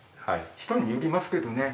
人によりますけどね。